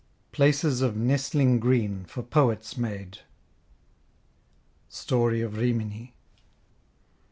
"Places of nestling green for Poets made." STORY OF RIMINI.